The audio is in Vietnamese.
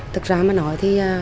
thực ra mà nói thì